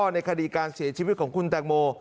ในคดีการเสียชีวิตของคุณแตงโม